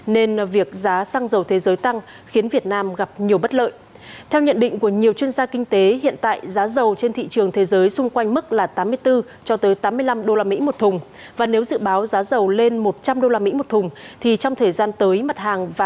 nên đối với các hội nghị hội thảo đào tạo